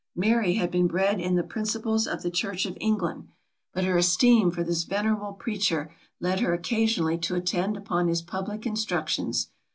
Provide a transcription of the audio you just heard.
Mary had been bred in the principles of the church of England, but her esteem for this venerable preacher led her occasionally to attend upon his public instructions.